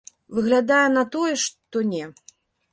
Выглядае на тое, што не.